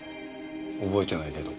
覚えてないけど。